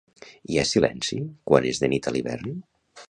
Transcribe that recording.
Hi ha silenci quan és de nit a l'hivern?